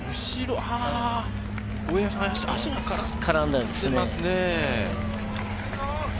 足が絡んだように見えますね。